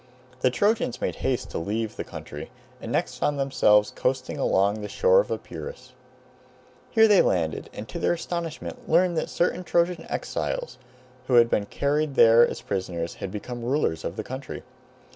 The Trojans made haste to leave the country, and next found themselves coasting along the shore of Epirus. Here they landed, and to their astonishment learned that certain Trojan exiles, who had been carried there as prisoners, had become rulers of the country.